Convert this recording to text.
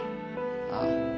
ああ。